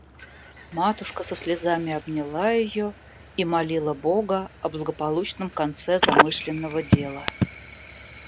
Матушка со слезами обняла ее и молила бога о благополучном конце замышленного дела.